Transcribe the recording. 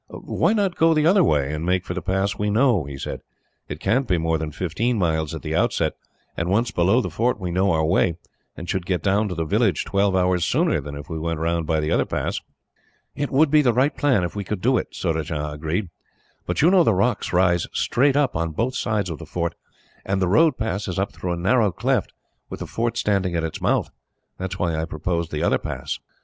"Why not go the other way, and make for the pass we know?" he said. "It can't be more than fifteen miles, at the outside, and once below the fort we know our way, and should get down to the village twelve hours sooner than if we went round by the other pass." "It would be the right plan, if we could do it," Surajah agreed; "but you know the rocks rise straight up on both sides of the fort, and the road passes up through a narrow cleft, with the fort standing at its mouth. That is why I proposed the other pass."